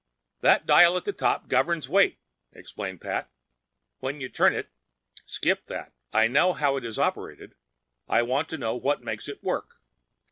"That dial at the top governs weight," explained Pat. "When you turn it—" "Skip that. I know how it is operated. I want to know what makes it work?"